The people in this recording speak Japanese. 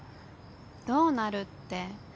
「どうなる」って。